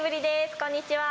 こんにちは。